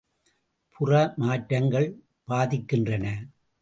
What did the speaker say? புற மாற்றங்கள் பாதிக்கின்றன.